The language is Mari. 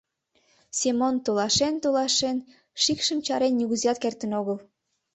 Семон толашен-толашен, шикшым чарен нигузеат кертын огыл.